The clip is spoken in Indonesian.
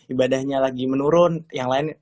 ibadahnya lagi menurun yang lain